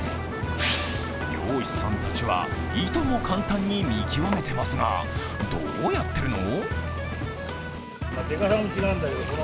漁師さんたちは、いとも簡単に見極めてますが、どうやってるの？